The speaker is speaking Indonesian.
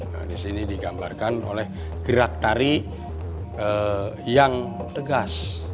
nah disini digambarkan oleh gerak tari yang tegas